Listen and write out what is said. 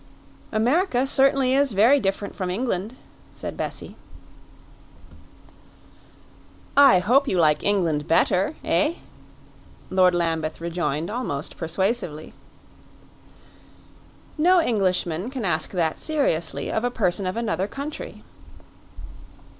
"America certainly is very different from England," said Bessie. "I hope you like England better, eh?" Lord Lambeth rejoined almost persuasively. "No Englishman can ask that seriously of a person of another country."